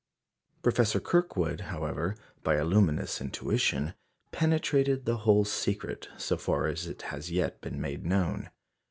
Professor Kirkwood, however, by a luminous intuition, penetrated the whole secret, so far as it has yet been made known.